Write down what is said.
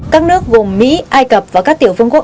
các nước gồm mỹ ai cập và các tiểu vương quốc